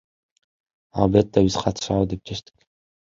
Албетте, биз катышалы деп чечтик.